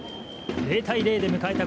０対０で迎えた